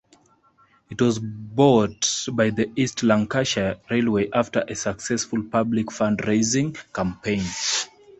It was bought by the East Lancashire Railway after a successful public fund-raising campaign.